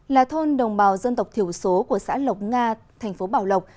là thôn đồng bào dân tộc thiểu số của xã lộc nga thành phố bảo lộc